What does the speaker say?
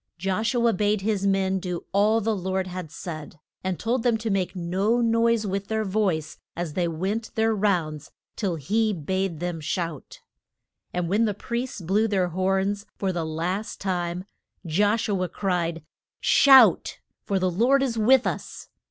Josh u a bade his men do all the Lord had said; and told them to make no noise with their voice as they went their rounds till he bade them shout. And when the priests blew their horns for the last time, Josh u a cried, Shout! for the Lord is with us!